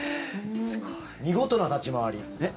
見事な立ち回り。